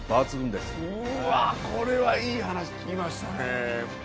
うわこれはいい話聞きましたね。